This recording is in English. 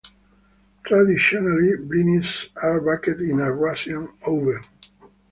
Traditionally, blinis are baked in a Russian oven.